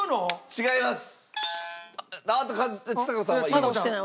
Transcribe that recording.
違います。